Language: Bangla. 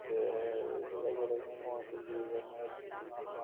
কৃষিকাজ হল এখানকার মানুষের জীবিকা নির্বাহের প্রধান মাধ্যম।